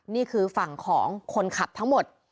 นี่คือฝั่งของคนขับทั้งหมด